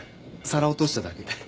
皿落としただけ。